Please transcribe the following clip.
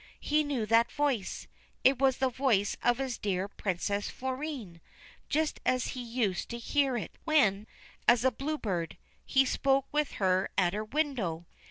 He knew that voice : it was the voice of his dear Princess Florine, just as he used to hear it when, as a Blue Bird, he spoke with her at her window.